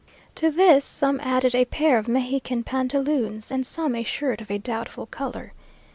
To this some added a pair of Mexican pantaloons, and some a shirt of a doubtful colour.